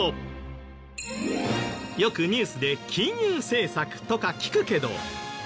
よくニュースで金融政策とか聞くけど。